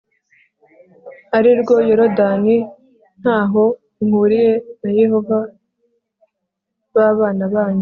ari rwo Yorodani Nta ho muhuriye na Yehova b Abana banyu